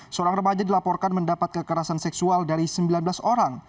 seorang remaja dilaporkan mendapat kekerasan seksual dari sembilan belas orang